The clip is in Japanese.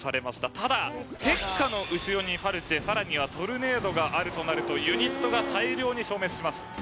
ただＰ．Ｅ．Ｋ．Ｋ．Ａの後ろにファルチェ更にはトルネードがあるとなるとユニットが大量に消滅します。